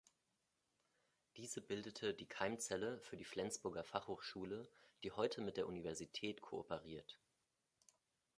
Diese bildete die Keimzelle für die Flensburger Fachhochschule, die heute mit der Universität kooperiert.